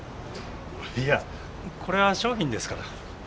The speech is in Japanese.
いやこれは商品ですから。